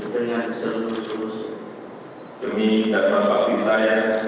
demi dan mempaktik saya